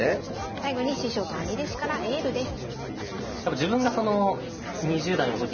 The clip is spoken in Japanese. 最後に師匠と兄弟子からエールです。